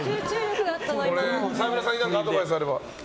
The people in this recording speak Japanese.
沢村さんにアドバイスがあれば。